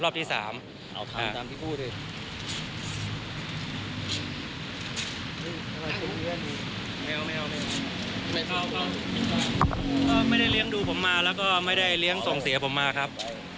ฟ่อไม่ได้เลี้ยงดูผมมาและไม่ได้คุยส่งเสียผมมาครับ